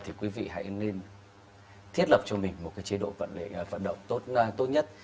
thì quý vị hãy nên thiết lập cho mình một chế độ vận động tốt nhất